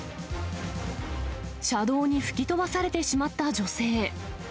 車道に吹き飛ばされてしまった女性。